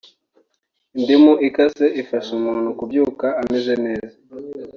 Indimu ikase ifasha umuntu kubyuka ameze neza